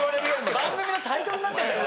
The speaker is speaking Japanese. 番組のタイトルなってんだから。